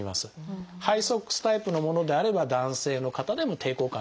ハイソックスタイプのものであれば男性の方でも抵抗感